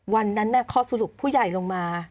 วันนั้นข้อสรุปผู้ใหญ่ลงมา